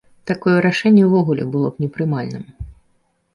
Такое рашэнне ўвогуле б было непрымальным.